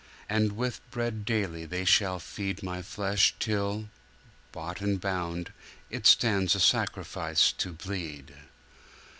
And with bread daily they shall feed My Flesh till, bought and bound, It stands A Sacrifice to bleed.